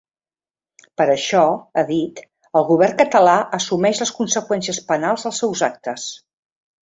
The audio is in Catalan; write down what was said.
Per això, ha dit, el govern català assumeix les conseqüències penals dels seus actes.